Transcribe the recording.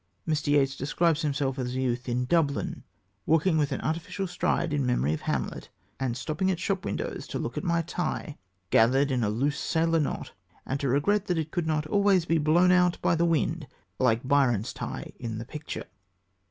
Mr. Yeats describes himself as a youth in Dublin: sometimes walking with an artificial stride in memory of Hamlet, and stopping at shop windows to look at my tie, gathered into a loose sailor knot, and to regret that it could not be always blown out by the wind like Byron's tie in the picture.